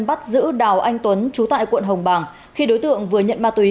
bắt giữ đào anh tuấn trú tại quận hồng bàng khi đối tượng vừa nhận ma túy